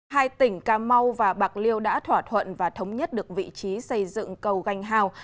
hai tỉnh cà mau và bạc liêu đã thỏa thuận và thống nhất được vị trí xây dựng cầu ganh hào